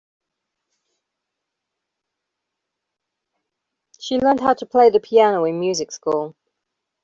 She learned how to play the piano in music school.